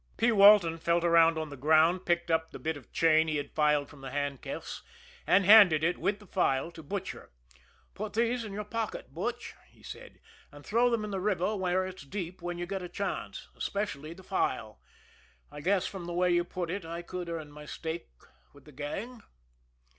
P. Walton felt around on the ground, picked up the bit of chain he had filed from the handcuffs, and handed it, with the file, to the Butcher. "Put these in your pocket, Butch," he said, "and throw them in the river where it's deep when you get a chance especially the file. I guess from the way you put it I could earn my stake with the gang."